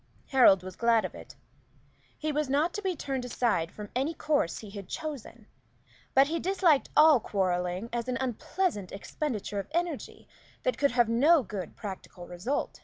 Harold was glad of it. He was not to be turned aside from any course he had chosen; but he disliked all quarrelling as an unpleasant expenditure of energy that could have no good practical result.